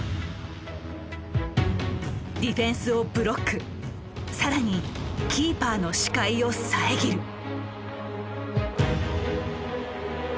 ディフェンスをブロック更にキーパーの視界を遮る。